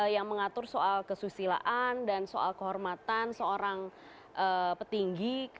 yang mengatur soal kesusilaan dan soal kehormatan seorang petinggi